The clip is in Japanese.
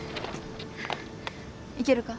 いけるか？